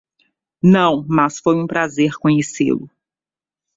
Não, mas foi um prazer conhecê-lo.